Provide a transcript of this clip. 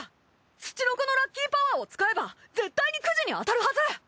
ツチノコのラッキーパワーを使えば絶対にクジに当たるはず！